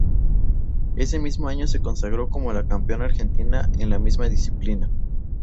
Ese mismo año se consagró como campeona argentina en la misma disciplina.